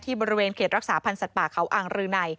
บริเวณเขตรักษาพันธ์สัตว์ป่าเขาอ่างรืนัย